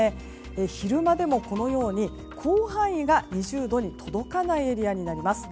昼間でも広範囲が２０度に届かないエリアになります。